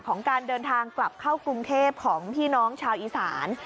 การเดินทางกลับเข้ากรุงเทพของพี่น้องชาวอีสาน